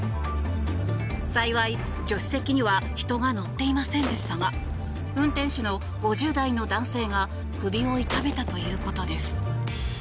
幸い、助手席には人が乗っていませんでしたが運転手の５０代の男性が首を痛めたということです。